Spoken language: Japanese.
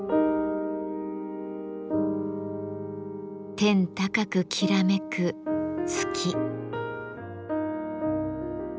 天高くきらめく月。